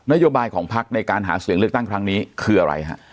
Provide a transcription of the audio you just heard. โยบายของพักในการหาเสียงเลือกตั้งครั้งนี้คืออะไรฮะ